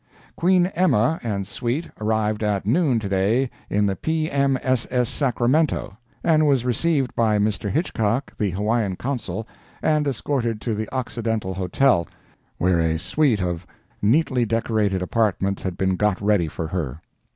Queen Emma and suite arrived at noon to day in the P. M. S. S. Sacramento, and was received by Mr. Hitchcock, the Hawaiian Consul, and escorted to the Occidental Hotel, where a suite of neatly decorated apartments had been got ready for her.